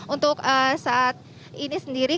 untuk saat ini sendiri